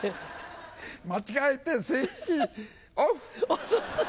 間違えてスイッチオフ。